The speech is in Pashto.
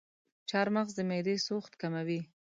چارمغز د معدې سوخت کموي.